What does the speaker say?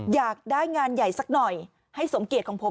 อยากได้งานใหญ่สักหน่อยให้สมเกียจของผม